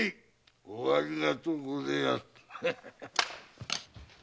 おありがとうごぜえやす！